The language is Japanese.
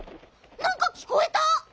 なんかきこえた！